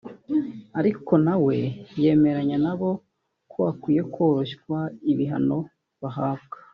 ariko nawe yemeranya n’abo ko hakwiye koroshywa ibihano bahabwa